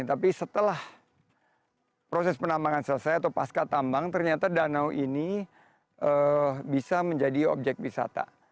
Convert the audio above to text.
tapi setelah proses penambangan selesai atau pasca tambang ternyata danau ini bisa menjadi objek wisata